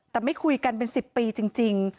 แต่ไม่คุยกันเป็น๑๐ปีจริง